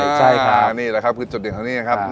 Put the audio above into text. นี่แหละครับคือจดเดียวกันตรงนี้นะครับ